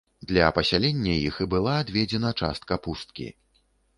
Для пасялення іх і была адведзена частка пусткі.